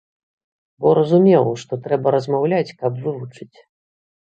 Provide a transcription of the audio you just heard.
Бо разумеў, што трэба размаўляць, каб вывучыць.